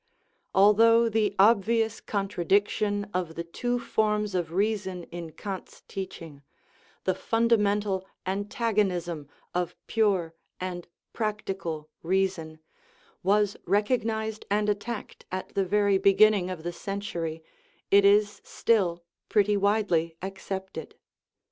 Although the obvious contradiction of the two forms of reason in Kant's teaching, the fundamental antag onism of pure and practical reason, was recognized and attacked at the very beginning of the century, it is still pretty widely accepted.